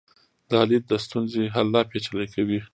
دا لید د ستونزې حل لا پیچلی کوي.